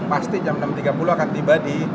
pasti jam enam tiga puluh akan tiba di